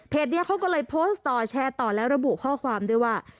นี้เขาก็เลยโพสต์ต่อแชร์ต่อแล้วระบุข้อความด้วยว่า